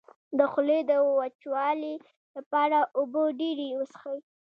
د خولې د وچوالي لپاره اوبه ډیرې وڅښئ